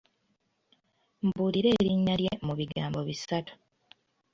Mbuulira erinnya lye mu bigambo bisatu.